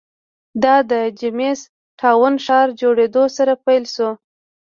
دا د جېمز ټاون ښار جوړېدو سره پیل شو.